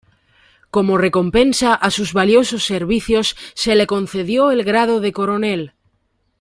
Como recompensa a sus valiosos servicios, se le concedió el grado de coronel.